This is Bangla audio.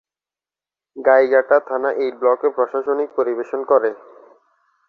গাইঘাটা থানা এই ব্লকের প্রশাসনিক পরিবেশন করে।